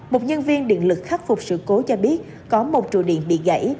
một nhân viên điện lực khắc phục sự cố cho biết có một trụ điện bị gãy